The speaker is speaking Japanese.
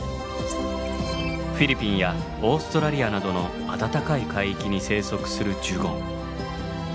フィリピンやオーストラリアなどの暖かい海域に生息するジュゴン。